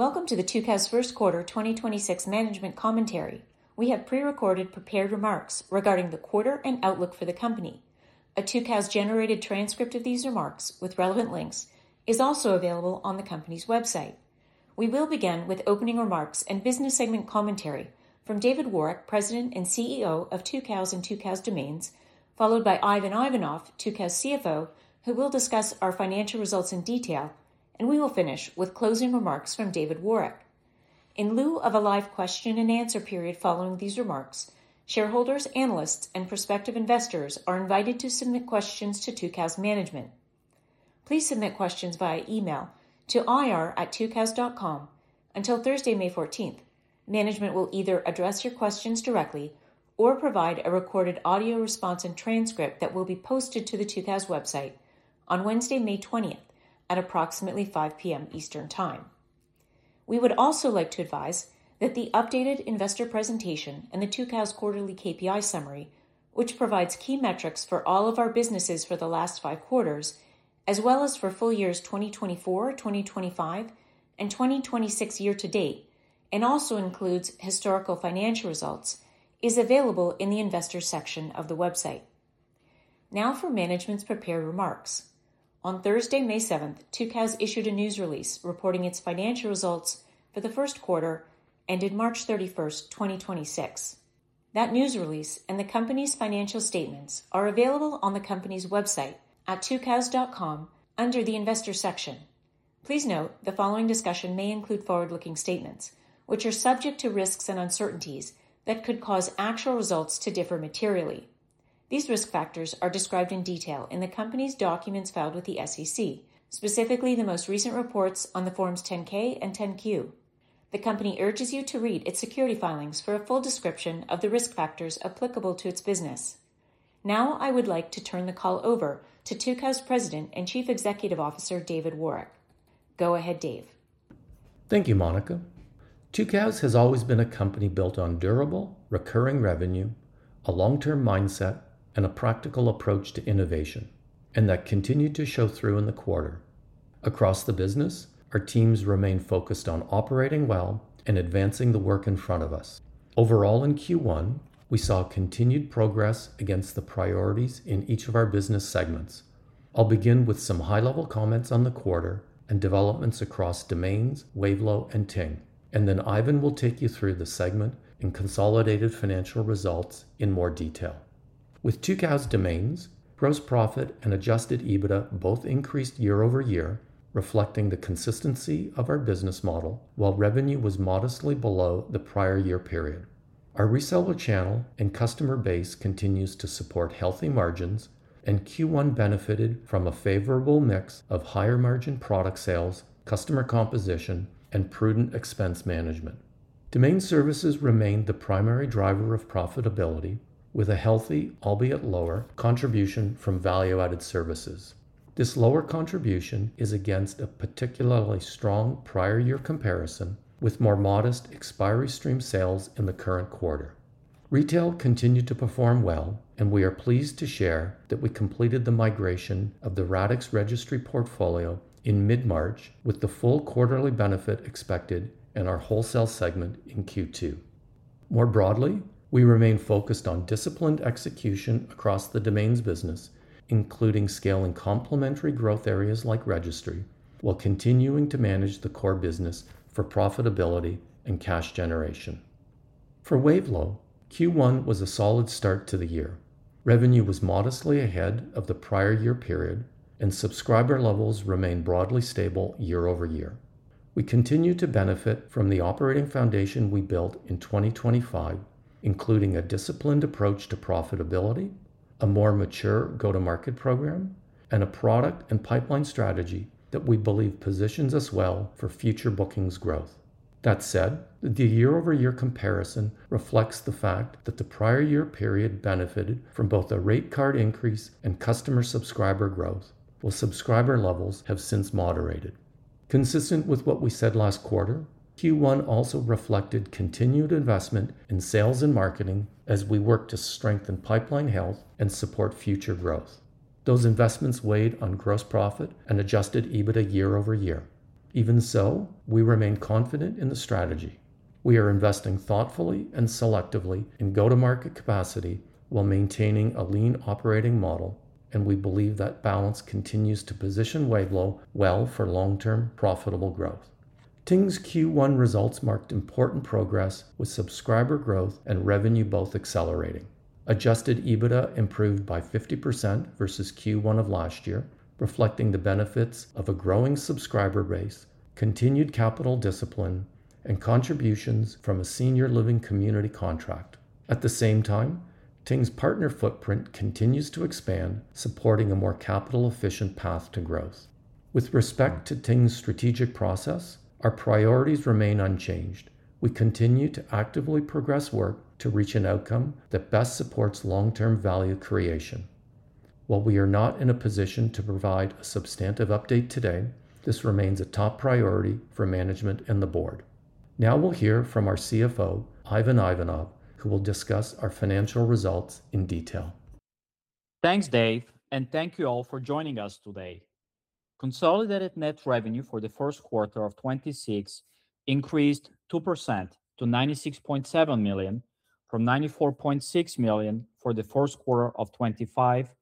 Welcome to the Tucows' first quarter 2026 management commentary. We have pre-recorded prepared remarks regarding the quarter and outlook for the company. A Tucows-generated transcript of these remarks with relevant links is also available on the company's website. We will begin with opening remarks and business segment commentary from David Woroch, President and CEO of Tucows and Tucows Domains, followed by Ivan Ivanov, Tucows CFO, who will discuss our financial results in detail, and we will finish with closing remarks from David Woroch. In lieu of a live question and answer period following these remarks, shareholders, analysts, and prospective investors are invited to submit questions to Tucows Management. Please submit questions via email to ir@tucows.com until Thursday, May 14th. Management will either address your questions directly or provide a recorded audio response and transcript that will be posted to the Tucows website on Wednesday, May 20th at approximately 5:00 P.M. Eastern Time. We would also like to advise that the updated investor presentation and the Tucows quarterly KPI summary, which provides key metrics for all of our businesses for the last five quarters, as well as for full years 2024, 2025, and 2026 year to date, and also includes historical financial results, is available in the investor section of the website. Now for management's prepared remarks. On Thursday, May 7th, Tucows issued a news release reporting its financial results for the first quarter ended March 31st, 2026. That news release and the company's financial statements are available on the company's website at tucows.com under the investor section. Please note, the following discussion may include forward-looking statements which are subject to risks and uncertainties that could cause actual results to differ materially. These risk factors are described in detail in the company's documents filed with the SEC, specifically the most recent reports on the Forms 10-K and 10-Q. The company urges you to read its security filings for a full description of the risk factors applicable to its business. I would like to turn the call over to Tucows President and Chief Executive Officer, David Woroch. Go ahead, Dave. Thank you, Monica. Tucows has always been a company built on durable, recurring revenue, a long-term mindset, and a practical approach to innovation, and that continued to show through in the quarter. Across the business, our teams remain focused on operating well and advancing the work in front of us. Overall, in Q1, we saw continued progress against the priorities in each of our business segments. I'll begin with some high-level comments on the quarter and developments across Domains, Wavelo, and Ting, then Ivan will take you through the segment and consolidated financial results in more detail. With Tucows Domains, gross profit and adjusted EBITDA both increased year-over-year, reflecting the consistency of our business model, while revenue was modestly below the prior year period. Our reseller channel and customer base continues to support healthy margins. Q1 benefited from a favorable mix of higher margin product sales, customer composition, and prudent expense management. Domain services remained the primary driver of profitability with a healthy, albeit lower, contribution from value-added services. This lower contribution is against a particularly strong prior year comparison with more modest expiry stream sales in the current quarter. Retail continued to perform well. We are pleased to share that we completed the migration of the Radix Registry portfolio in mid-March with the full quarterly benefit expected in our wholesale segment in Q2. More broadly, we remain focused on disciplined execution across the domains business, including scaling complementary growth areas like registry, while continuing to manage the core business for profitability and cash generation. For Wavelo, Q1 was a solid start to the year. Revenue was modestly ahead of the prior-year period, and subscriber levels remained broadly stable year-over-year. We continue to benefit from the operating foundation we built in 2025, including a disciplined approach to profitability, a more mature go-to-market program, and a product and pipeline strategy that we believe positions us well for future bookings growth. That said, the year-over-year comparison reflects the fact that the prior-year period benefited from both a rate card increase and customer subscriber growth, while subscriber levels have since moderated. Consistent with what we said last quarter, Q1 also reflected continued investment in sales and marketing as we work to strengthen pipeline health and support future growth. Those investments weighed on gross profit and adjusted EBITDA year-over-year. Even so, we remain confident in the strategy. We are investing thoughtfully and selectively in go-to-market capacity while maintaining a lean operating model. We believe that balance continues to position Wavelo well for long-term profitable growth. Ting's Q1 results marked important progress with subscriber growth and revenue both accelerating. Adjusted EBITDA improved by 50% versus Q1 of last year, reflecting the benefits of a growing subscriber base, continued capital discipline, and contributions from a senior living community contract. At the same time, Ting's partner footprint continues to expand, supporting a more capital efficient path to growth. With respect to Ting's strategic process, our priorities remain unchanged. We continue to actively progress work to reach an outcome that best supports long-term value creation. While we are not in a position to provide a substantive update today, this remains a top priority for management and the board. Now we'll hear from our CFO, Ivan Ivanov, who will discuss our financial results in detail. Thanks, Dave, thank you all for joining us today. Consolidated net revenue for the first quarter of 2026 increased 2% to $96.7 million from $94.6 million for the first quarter of 2025,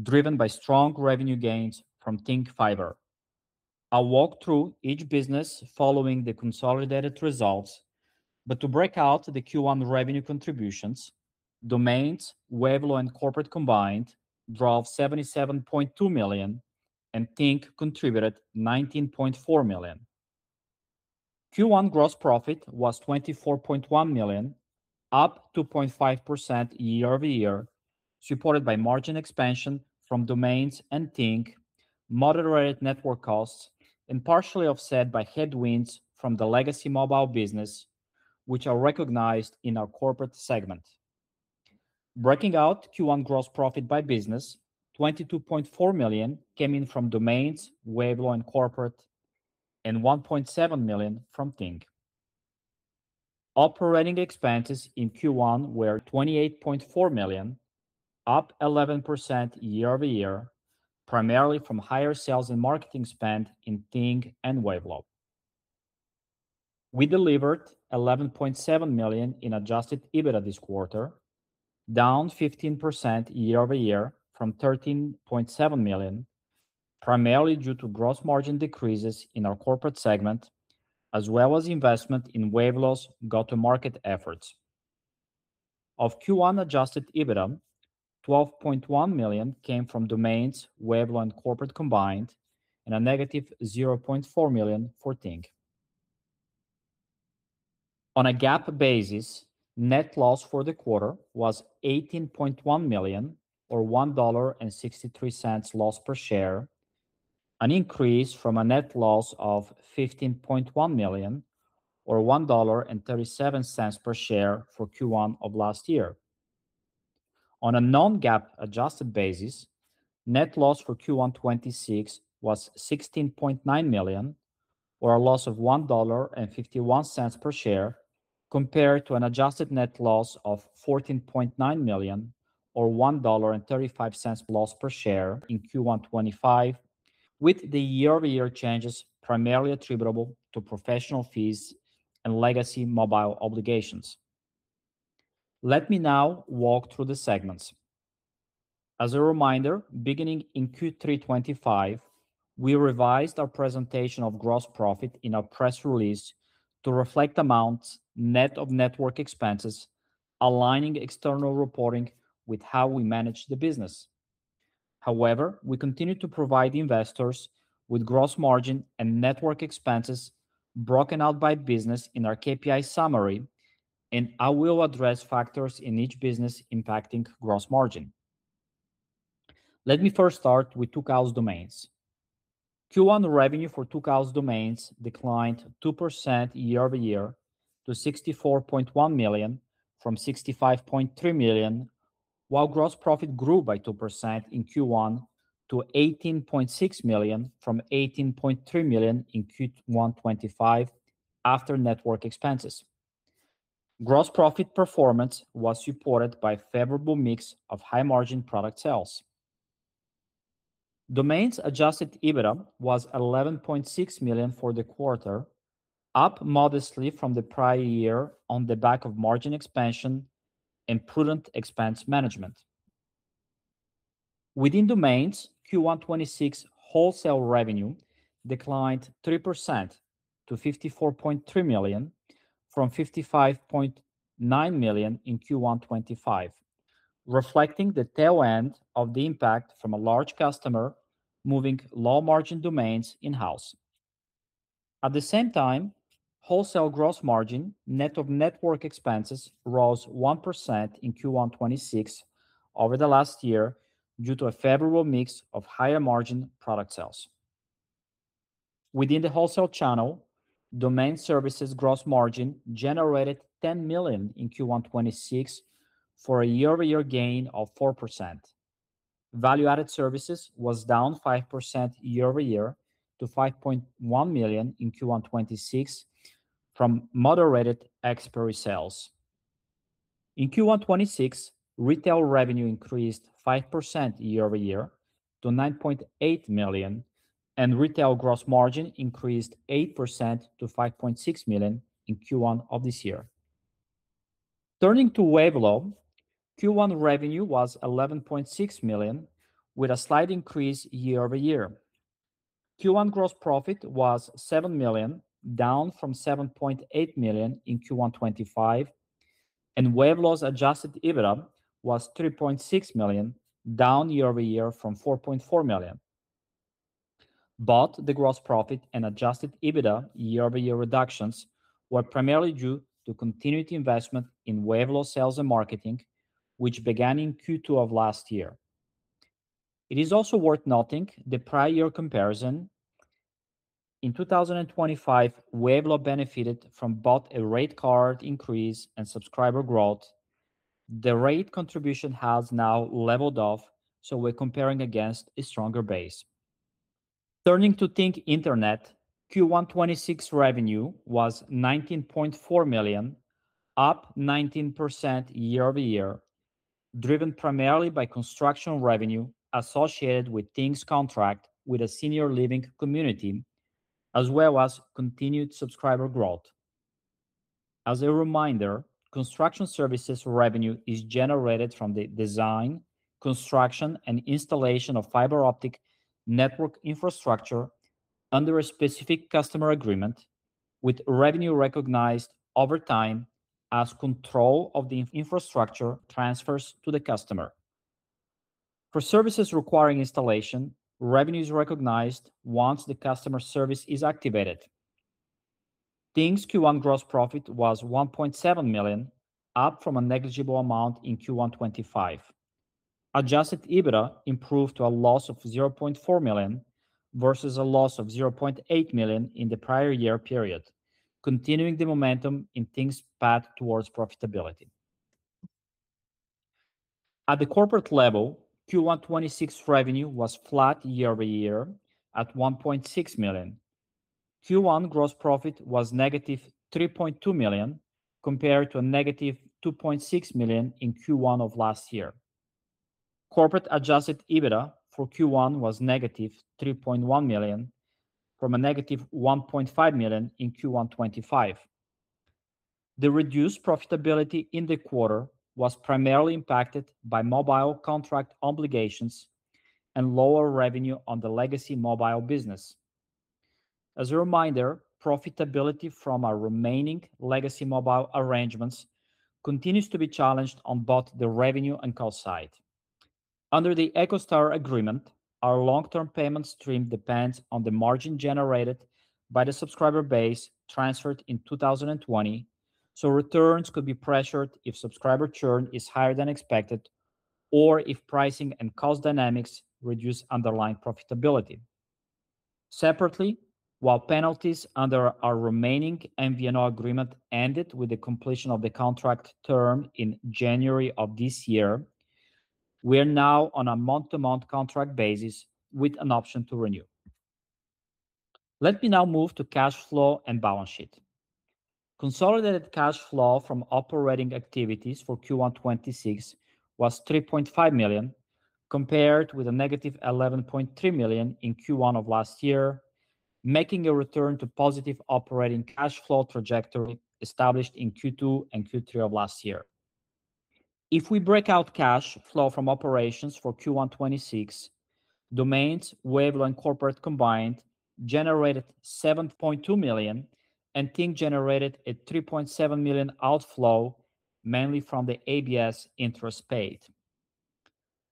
driven by strong revenue gains from Ting Fiber. I'll walk through each business following the consolidated results. To break out the Q1 revenue contributions, Domains, Wavelo and Corporate combined drove $77.2 million, and Ting contributed $19.4 million. Q1 gross profit was $24.1 million, up 2.5% year-over-year, supported by margin expansion from Domains and Ting, moderated network costs and partially offset by headwinds from the legacy mobile business, which are recognized in our corporate segment. Breaking out Q1 gross profit by business, $22.4 million came in from Domains, Wavelo and Corporate, and $1.7 million from Ting. Operating expenses in Q1 were $28.4 million, up 11% year-over-year, primarily from higher sales and marketing spend in Ting and Wavelo. We delivered $11.7 million in adjusted EBITDA this quarter, down 15% year-over-year from $13.7 million, primarily due to gross margin decreases in our Corporate segment, as well as investment in Wavelo's go-to-market efforts. Of Q1 adjusted EBITDA, $12.1 million came from Domains, Wavelo and Corporate combined, and -$0.4 million for Ting. On a GAAP basis, net loss for the quarter was $18.1 million or $1.63 loss per share, an increase from a net loss of $15.1 million or $1.37 per share for Q1 of last year. On a non-GAAP adjusted basis, net loss for Q1 2026 was $16.9 million or a loss of $1.51 per share, compared to an adjusted net loss of $14.9 million or $1.35 loss per share in Q1 2025, with the year-over-year changes primarily attributable to professional fees and legacy mobile obligations. Let me now walk through the segments. As a reminder, beginning in Q3 2025, we revised our presentation of gross profit in our press release to reflect amounts net of network expenses, aligning external reporting with how we manage the business. However, we continue to provide investors with gross margin and network expenses broken out by business in our KPI summary, and I will address factors in each business impacting gross margin. Let me first start with Tucows Domains. Q1 revenue for Tucows Domains declined 2% year-over-year to $64.1 million from $65.3 million. While gross profit grew by 2% in Q1 to $18.6 million from $18.3 million in Q1 2025 after network expenses. Gross profit performance was supported by favorable mix of high margin product sales. Domains adjusted EBITDA was $11.6 million for the quarter, up modestly from the prior year on the back of margin expansion and prudent expense management. Within Domains, Q1 2026 wholesale revenue declined 3% to $54.3 million from $55.9 million in Q1 2025, reflecting the tail end of the impact from a large customer moving low margin domains in-house. At the same time, wholesale gross margin net of network expenses rose 1% in Q1 2026 over the last year due to a favorable mix of higher margin product sales. Within the wholesale channel, domain services gross margin generated $10 million in Q1 2026 for a year-over-year gain of 4%. Value-added services was down 5% year-over-year to $5.1 million in Q1 2026 from moderated expiry sales. In Q1 2026, retail revenue increased 5% year-over-year to $9.8 million, and retail gross margin increased 8% to $5.6 million in Q1 of this year. Turning to Wavelo, Q1 revenue was $11.6 million, with a slight increase year-over-year. Q1 gross profit was $7 million, down from $7.8 million in Q1 2025, and Wavelo's adjusted EBITDA was $3.6 million, down year-over-year from $4.4 million. Both the gross profit and adjusted EBITDA year-over-year reductions were primarily due to continued investment in Wavelo sales and marketing, which began in Q2 of last year. It is also worth noting the prior year comparison. In 2025, Wavelo benefited from both a rate card increase and subscriber growth. The rate contribution has now leveled off, we're comparing against a stronger base. Turning to Ting Internet, Q1 2026 revenue was $19.4 million, up 19% year-over-year, driven primarily by construction revenue associated with Ting's contract with a senior living community, as well as continued subscriber growth. As a reminder, construction services revenue is generated from the design, construction, and installation of fiber optic network infrastructure under a specific customer agreement with revenue recognized over time as control of the infrastructure transfers to the customer. For services requiring installation, revenue is recognized once the customer service is activated. Ting's Q1 gross profit was $1.7 million, up from a negligible amount in Q1 2025. Adjusted EBITDA improved to a loss of $0.4 million versus a loss of $0.8 million in the prior year period, continuing the momentum in Ting's path towards profitability. At the Corporate level, Q1 2026 revenue was flat year-over-year at $1.6 million. Q1 gross profit was -$3.2 million compared to a -$2.6 million in Q1 of last year. Corporate adjusted EBITDA for Q1 was -$3.1 million from a -$1.5 million in Q1 2025. The reduced profitability in the quarter was primarily impacted by mobile contract obligations and lower revenue on the legacy mobile business. As a reminder, profitability from our remaining legacy mobile arrangements continues to be challenged on both the revenue and cost side. Under the EchoStar agreement, our long-term payment stream depends on the margin generated by the subscriber base transferred in 2020, so returns could be pressured if subscriber churn is higher than expected or if pricing and cost dynamics reduce underlying profitability. Separately, while penalties under our remaining MVNO agreement ended with the completion of the contract term in January of this year, we're now on a month-to-month contract basis with an option to renew. Let me now move to cash flow and balance sheet. Consolidated cash flow from operating activities for Q1 2026 was $3.5 million, compared with a -$11.3 million in Q1 of last year, making a return to positive operating cash flow trajectory established in Q2 and Q3 of last year. If we break out cash flow from operations for Q1 2026, Domains, Wavelo, and Corporate combined generated $7.2 million, and Ting generated a $3.7 million outflow, mainly from the ABS interest paid.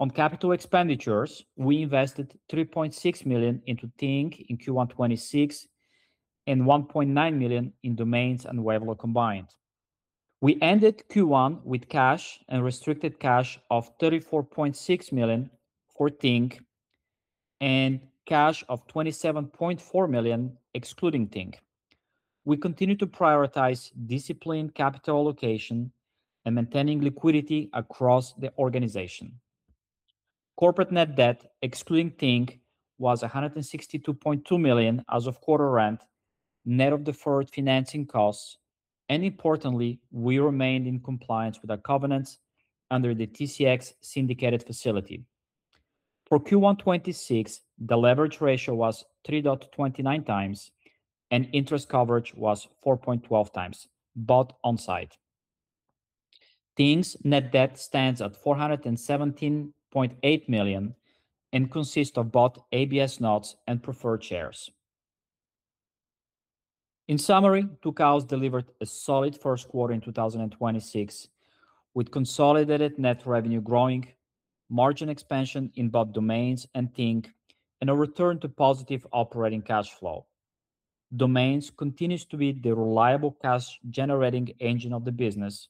On capital expenditures, we invested $3.6 million into Ting in Q1 2026 and $1.9 million in Domains and Wavelo combined. We ended Q1 with cash and restricted cash of $34.6 million for Ting and cash of $27.4 million excluding Ting. We continue to prioritize disciplined capital allocation and maintaining liquidity across the organization. Corporate net debt excluding Ting was $162.2 million as of quarter end, net of deferred financing costs, and importantly, we remained in compliance with our covenants under the TCX syndicated facility. For Q1 2026, the leverage ratio was 3.29x, and interest coverage was 4.12x, both on site. Ting's net debt stands at $417.8 million and consists of both ABS notes and preferred shares. In summary, Tucows delivered a solid first quarter in 2026, with consolidated net revenue growing, margin expansion in both Domains and Ting, and a return to positive operating cash flow. Domains continues to be the reliable cash-generating engine of the business,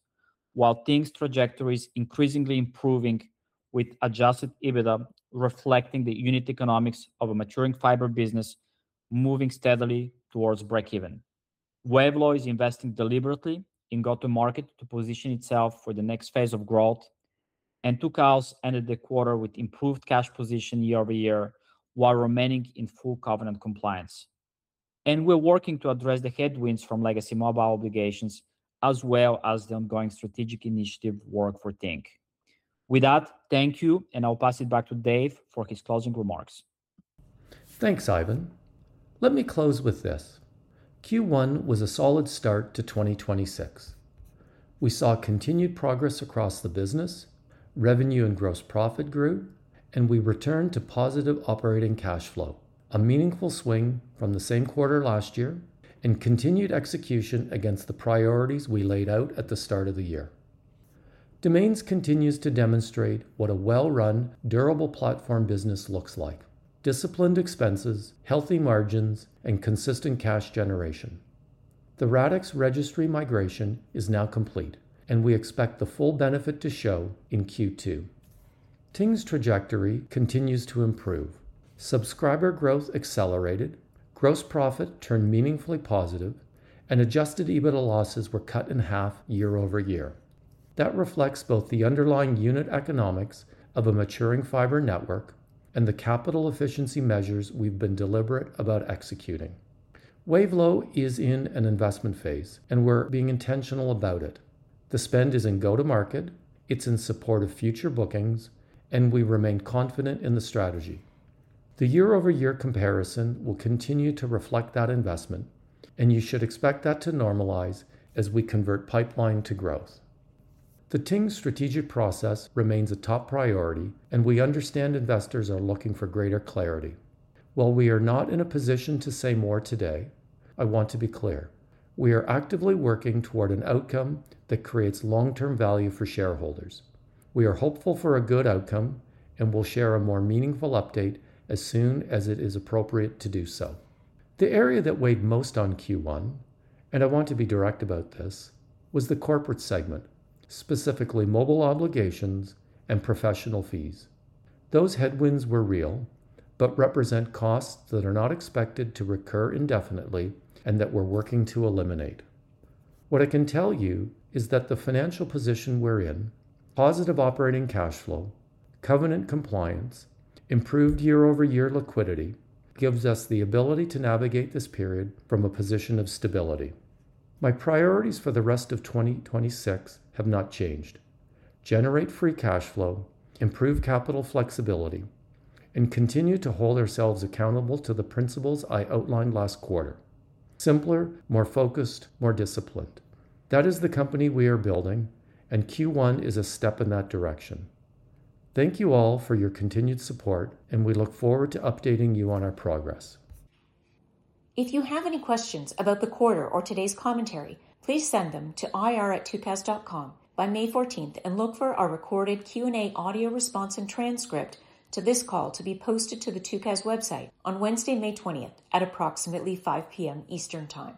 while Ting's trajectory is increasingly improving with adjusted EBITDA reflecting the unit economics of a maturing fiber business moving steadily towards breakeven. Wavelo is investing deliberately in go-to-market to position itself for the next phase of growth. Tucows ended the quarter with improved cash position year-over-year while remaining in full covenant compliance. We're working to address the headwinds from legacy mobile obligations as well as the ongoing strategic initiative work for Ting. With that, thank you, and I'll pass it back to Dave for his closing remarks. Thanks, Ivan. Let me close with this. Q1 was a solid start to 2026. We saw continued progress across the business, revenue and gross profit grew, and we returned to positive operating cash flow, a meaningful swing from the same quarter last year and continued execution against the priorities we laid out at the start of the year. Domains continues to demonstrate what a well-run, durable platform business looks like. Disciplined expenses, healthy margins, and consistent cash generation. The Radix Registry migration is now complete, and we expect the full benefit to show in Q2. Ting's trajectory continues to improve. Subscriber growth accelerated, gross profit turned meaningfully positive, and adjusted EBITDA losses were cut in half year-over-year. That reflects both the underlying unit economics of a maturing fiber network and the capital efficiency measures we've been deliberate about executing. Wavelo is in an investment phase, and we're being intentional about it. The spend is in go-to-market, it's in support of future bookings, and we remain confident in the strategy. The year-over-year comparison will continue to reflect that investment, and you should expect that to normalize as we convert pipeline to growth. The Ting strategic process remains a top priority, and we understand investors are looking for greater clarity. While we are not in a position to say more today, I want to be clear, we are actively working toward an outcome that creates long-term value for shareholders. We are hopeful for a good outcome and will share a more meaningful update as soon as it is appropriate to do so. The area that weighed most on Q1, and I want to be direct about this, was the Corporate segment, specifically mobile obligations and professional fees. Those headwinds were real but represent costs that are not expected to recur indefinitely and that we're working to eliminate. What I can tell you is that the financial position we're in, positive operating cash flow, covenant compliance, improved year-over-year liquidity, gives us the ability to navigate this period from a position of stability. My priorities for the rest of 2026 have not changed. Generate free cash flow, improve capital flexibility, and continue to hold ourselves accountable to the principles I outlined last quarter. Simpler, more focused, more disciplined. That is the company we are building, and Q1 is a step in that direction. Thank you all for your continued support, and we look forward to updating you on our progress. If you have any questions about the quarter or today's commentary, please send them to ir@tucows.com by May 14th and look for our recorded Q&A audio response and transcript to this call to be posted to the Tucows website on Wednesday, May 20th at approximately 5:00 P.M. Eastern Time.